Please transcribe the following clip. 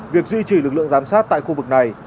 việc duy trì lực lượng giám sát tại khu vực này